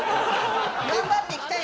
頑張ってきたよ。